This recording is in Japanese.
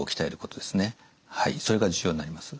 はいそれが重要になります。